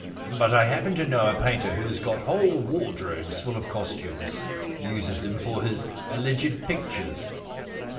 But I happen to know a painter who has got whole wardrobes full of costumes — uses them for his alleged pictures.